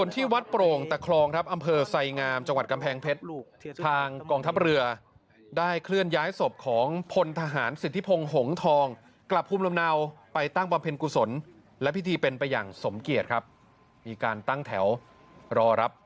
แต่ว่ากล้ามใจวันหน่อยครับอย่าภูมิใจภูมิใจว่าครับ